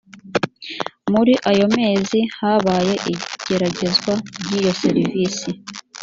muri ayo mezi habaye igeragezwa ry’iyo serivisi